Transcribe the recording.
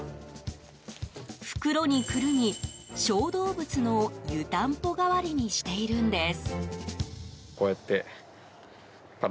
袋にくるみ小動物の湯たんぽ代わりにしているんです。